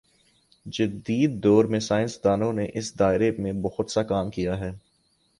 جدیددور میں سائنس دانوں نے اس دائرے میں بہت سا کام کیا ہے